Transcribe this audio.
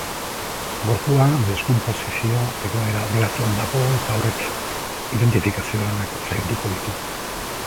Gorpua deskonposizio egoera aurreratuan dago eta horrek identifikazio lanak zailduko ditu.